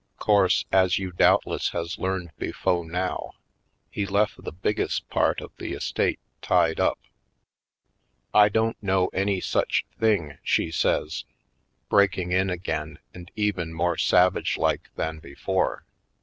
'Course, as you doubtless has learned befo' now, he lef the bigges' part of the estate tied up." "I don't know any such thing," she says, breaking in again and even more savage like than before.